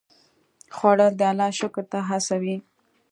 خوړل د الله شکر ته هڅوي